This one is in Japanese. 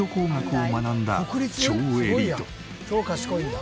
超賢いんだ。